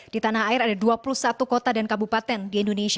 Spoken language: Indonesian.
di tanah air ada dua puluh satu kota dan kabupaten di indonesia